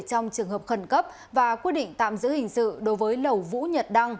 trong trường hợp khẩn cấp và quyết định tạm giữ hình sự đối với lẩu vũ nhật đăng